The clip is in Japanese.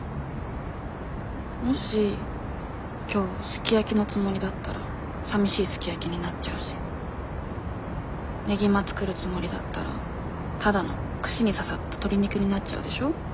もし今日すき焼きのつもりだったらさみしいすき焼きになっちゃうしねぎま作るつもりだったらただの串に刺さった鶏肉になっちゃうでしょ。